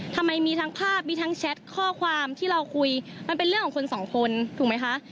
ที่เราคุยมันเป็นเรื่องของคนสองคนถูกไหมคะ